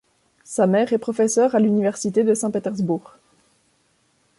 Sa mère est professeur à l'Université de Saint-Pétersbourg.